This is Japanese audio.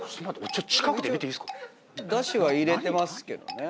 一応だしは入れてますけどね。